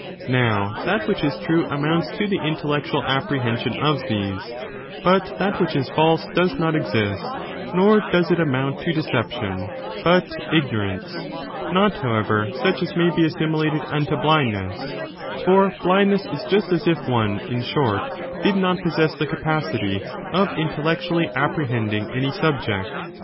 Now^ that which is true amounts to the intellectual apprehension of these,^ but that which is &,lse does not exist, nor does it amount to deception, but ignorance; not, however, such as may be assimilated unto blindness, for blindness is just as if one, in short, did not possess the capacity of intellectually apprehending any sub ject.